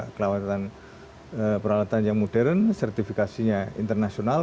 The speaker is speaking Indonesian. karena peralatan kami juga peralatan yang modern sertifikasinya internasional